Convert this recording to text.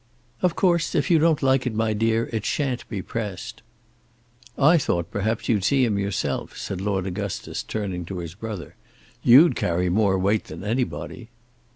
"Of course, if you don't like it, my dear, it shan't be pressed." "I thought, perhaps, you'd see him yourself," said Lord Augustus, turning to his brother. "You'd carry more weight than anybody."